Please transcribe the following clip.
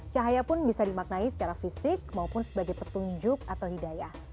cahaya pun bisa dimaknai secara fisik maupun sebagai petunjuk atau hidayah